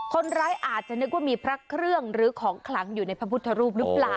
คนร้ายอาจจะนึกว่ามีพระเครื่องหรือของขลังอยู่ในพระพุทธรูปหรือเปล่า